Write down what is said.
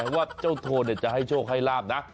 ว่าเจ้าโทนจะให้โชคให้ลาบนะ